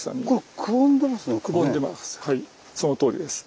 そのとおりです。